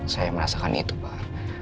saya merasakan itu pak